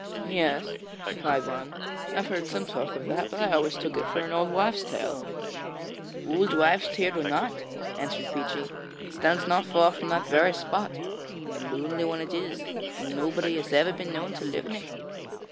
'Yes,' replied one; 'I've heard some talk of that, but I always took it for an old wives' tale.' 'Old wives' tale or not,' answered Peechy, 'it stands not far from that very spot and a lonely one it is, and nobody has ever been known to live in it.